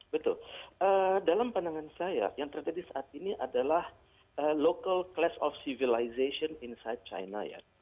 betul dalam pandangan saya yang terjadi saat ini adalah local class of civilization insight china ya